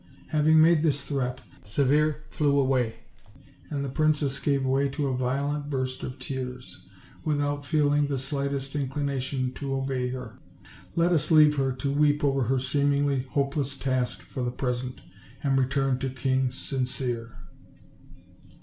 Hav ing made this threat, Severe flew away; and the princess gave way to a violent burst of tears, without feeling the slightest inclination to obey her. Let us leave her to tfeep over her seemingly hopeless task for the present, and return to King Sincere.